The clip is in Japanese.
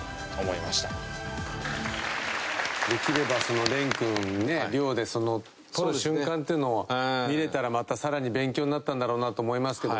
できれば蓮君にね漁で獲る瞬間っていうのを見られたらまた更に勉強になったんだろうなと思いますけども。